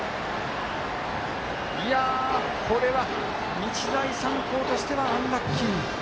これは、日大三高としてはアンラッキー。